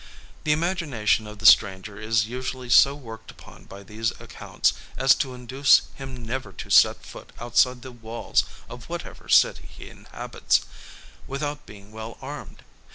The imagination of the stranger is usually so worked upon by these accounts, as to induce him never to set foot outside the walls of whatever city he inhabits, without being well armed.